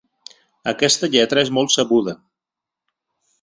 Aquesta lletra és molt sabuda.